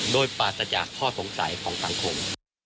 โดยปราศจากข้อสงสัยของสังคม